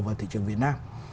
vào thị trường việt nam